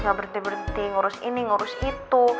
nggak berhenti berhenti ngurus ini ngurus itu